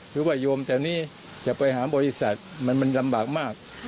คือว่าโยมแถวนี้จะไปหาบริษัทมันลำบากมาก